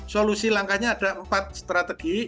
solusi langkahnya ada empat strategi